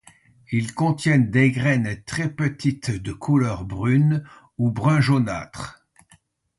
Ils contiennent des graines très petites de couleur brune ou brun-jaunâtre.